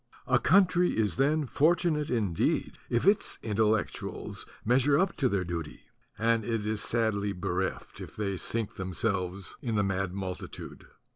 A country is then fortunate indeed if its Intellectuals measure up to their duty; and it is sadly bereft if they sink themselves in the mad multitude.